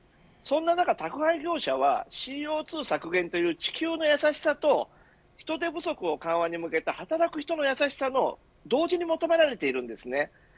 そんな中、宅配業者はＣＯ２削減という地球の優しさと人手不足を緩和に向けた働く人の優しさを同時に求められています。